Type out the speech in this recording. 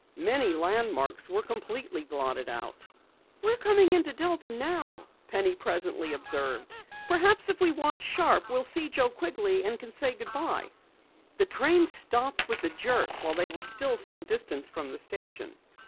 Many landmarks were completely blotted out. "We're coming into Delta now," Penny presently observed. "Perhaps if we watch sharp we'll see Joe Quigley and can say goodbye." The train stopped with a jerk while still some distance from the station.